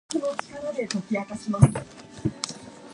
She and Silverman are currently expecting their first child.